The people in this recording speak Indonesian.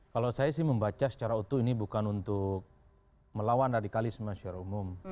kalau saya sih membaca secara utuh ini bukan untuk melawan radikalisme secara umum